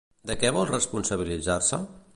De què vol responsabilitzar-se?